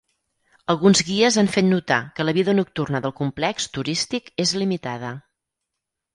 Alguns guies han fet notar que la vida nocturna del complex turístic és limitada.